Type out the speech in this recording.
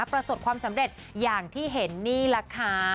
ประสบความสำเร็จอย่างที่เห็นนี่แหละค่ะ